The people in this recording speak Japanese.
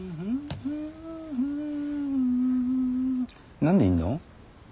何でいんの？